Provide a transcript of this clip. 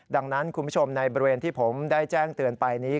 ดังนั้นคุณผู้ชมในบริเวณที่ผมได้แจ้งเตือนไปนี้